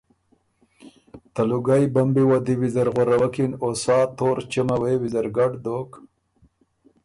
ته لوګئ بمبی وه دی ویزر غؤروکِن او سا تور چمه ویزر ګډ دوک